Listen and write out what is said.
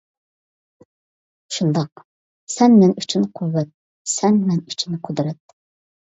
شۇنداق، سەن مەن ئۈچۈن قۇۋۋەت، سەن مەن ئۈچۈن قۇدرەت.